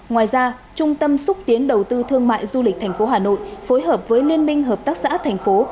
ngoài ra trung tâm xúc tiến đầu tư thương mại du lịch tp hà nội phối hợp với liên minh hợp tác xã thành phố